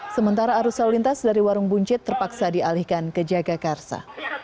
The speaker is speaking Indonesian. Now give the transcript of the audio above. sementara arus lalu lintas dari warung buncit terpaksa dialihkan ke jagakarsa